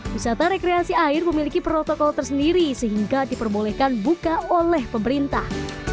wisata rekreasi air memiliki protokol tersendiri sehingga diperbolehkan buka oleh pemerintah